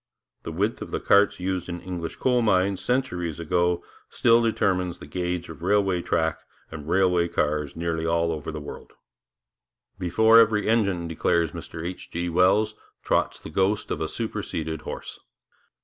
The width of the carts used in English coal mines centuries ago still determines the gauge of railway track and railway cars over nearly all the world. 'Before every engine,' declares Mr H. G. Wells, 'trots the ghost of a superseded horse.'